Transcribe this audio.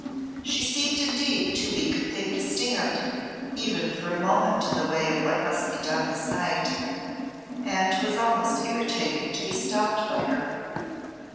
She seemed indeed too weak a thing to stand even for a moment in the way of what must be done this night, and 'twas almost irritating to be stopped by her.